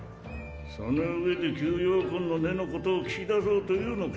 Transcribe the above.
その上で吸妖魂の根のことを聞き出そうというのか。